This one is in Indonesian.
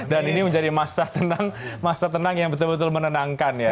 dan ini menjadi masa tenang yang betul betul menenangkan ya